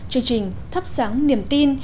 chương trình thắp sáng niềm tin